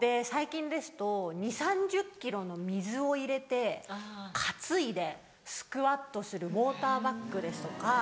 最近ですと２０３０ｋｇの水を入れて担いでスクワットするウオーターバッグですとか。